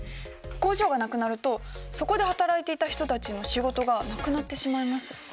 工場がなくなるとそこで働いていた人たちの仕事がなくなってしまいます。